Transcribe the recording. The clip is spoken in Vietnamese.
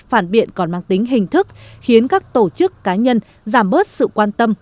phản biện còn mang tính hình thức khiến các tổ chức cá nhân giảm bớt sự quan tâm